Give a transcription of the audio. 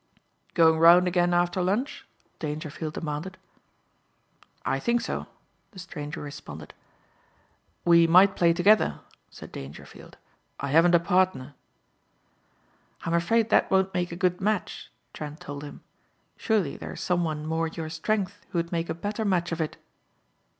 "Going 'round again after lunch?" Dangerfield demanded. "I think so," the stranger responded. "We might play together," said Dangerfield. "I haven't a partner." "I'm afraid that won't make a good match," Trent told him. "Surely there is some one more your strength who would make a better match of it?"